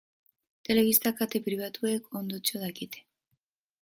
Telebista kate pribatuek ondotxo dakite.